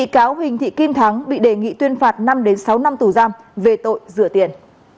bị cáo huỳnh thị kim thắng bị đề nghị tuyên phạt năm sáu năm tù giam về tội rửa tiền